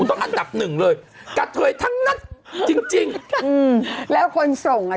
ต้องอันดับหนึ่งเลยกะเทยทั้งนัดจริงแล้วคนส่งอ่า